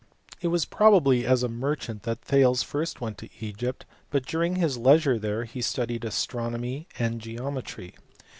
15 It was probably as a merchant that Thales first went to Egypt, but during his leisure there he studied astronomy and geometry.